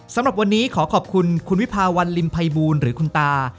สำหรับวันนี้ขอขอบคุณคุณวิภาวันลิมภัยบูลหรือคุณตา